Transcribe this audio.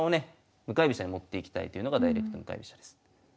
向かい飛車に持っていきたいというのがダイレクト向かい飛車です。